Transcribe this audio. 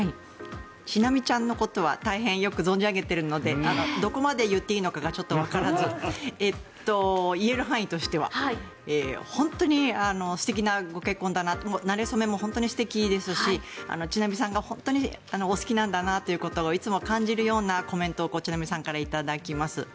知那美ちゃんのことは大変よく存じ上げているのでどこまで言っていいのかがちょっとわからないんですが言える範囲としては本当に素敵なご結婚だなと。なれそめも本当に素敵ですし知那美さんが本当にお好きなんだなといつも感じるようなコメントを知那美さんから頂きます。